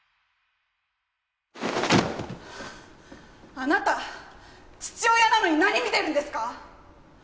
あなた父親なのに何見てるんですか？